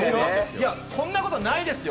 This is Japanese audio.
こんなことないですよ。